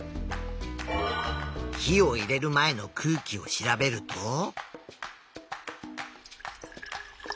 火を入れる前の空気を調べると。